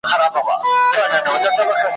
راسه مځه چه پخلا سو